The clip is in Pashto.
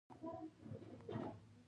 کاري پلان د ترسره کوونکي نوم لري.